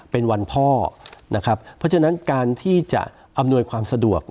เป็นวันพ่อนะครับเพราะฉะนั้นการที่จะอำนวยความสะดวก